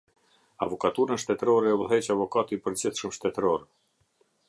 Avokaturën shtetërore e udhëheq Avokati i përgjithshëm shtetëror.